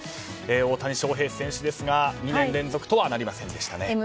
大谷翔平選手ですが２年連続とはなりませんでしたね。